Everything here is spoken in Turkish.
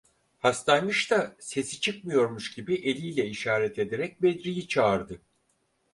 Hastaymış da sesi çıkmıyormuş gibi eliyle işaret ederek Bedri’yi çağırdı.